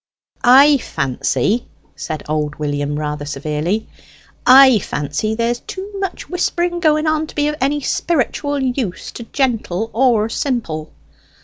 "I fancy," said old William, rather severely, "I fancy there's too much whispering going on to be of any spiritual use to gentle or simple."